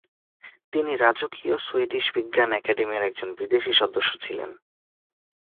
তিনি রাজকীয় সুইডিশ বিজ্ঞান একাডেমির একজন বিদেশি সদস্য ছিলেন।